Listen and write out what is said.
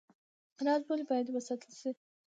راز ولې باید وساتل شي؟